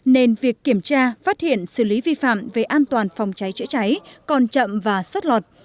nên việc kiểm tra phát hiện xử lý vi phạm về an toàn phòng cháy chữa cháy còn chậm và sát lọt